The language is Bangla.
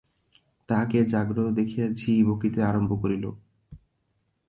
তাহাকে জাগ্রত দেখিয়া ঝি বকিতে আরম্ভ করিল।